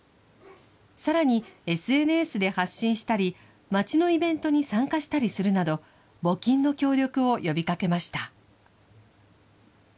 さらに、ＳＮＳで発信したり、町のイベントに参加したりするなど、募金の協力を呼びかけました。